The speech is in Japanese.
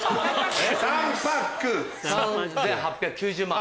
３８９０万。